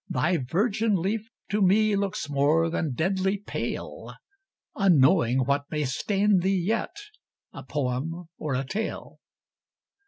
thy virgin leaf To me looks more than deadly pale, Unknowing what may stain thee yet, A poem or a tale.